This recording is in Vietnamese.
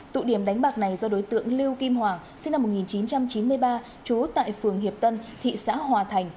tụ điểm đánh bạc này do đối tượng lưu kim hoàng sinh năm một nghìn chín trăm chín mươi ba trú tại phường hiệp tân thị xã hòa thành